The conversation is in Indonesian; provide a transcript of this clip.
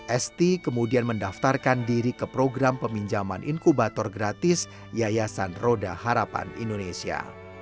esti kemudian mendaftarkan diri ke program peminjaman inkubator gratis yayasan roda harapan indonesia